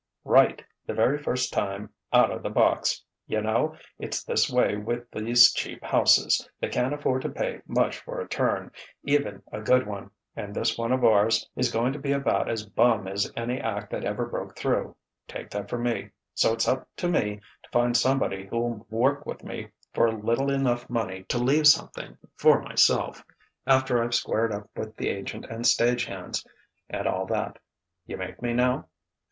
"Right, the very first time outa the box! Yunno, it's this way with these cheap houses: they can't afford to pay much for a turn, even a good one and this one of ours is going to be about as bum as any act that ever broke through: take that from me. So it's up to me to find somebody who'll work with me for little enough money to leave something for myself, after I've squared up with the agent and stage hands, and all that. You make me now?"